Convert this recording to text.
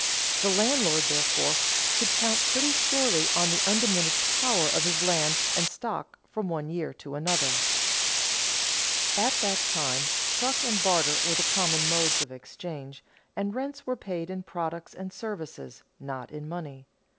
The landlord, therefore, could count pretty surely on the undiminished power of his land and stock from one year to another. At that time, truck and barter were the common modes of exchange, and rents were paid in products and services, not in money.